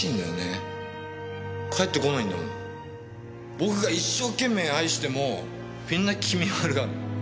僕が一生懸命愛してもみんな気味悪がる。